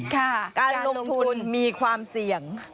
การลงทุนมีความเสี่ยง